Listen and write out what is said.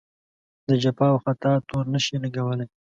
د جفا او خطا تور نه شي لګولای.